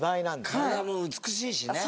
体も美しいしね。